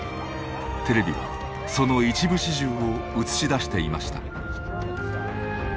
テレビはその一部始終を映し出していました。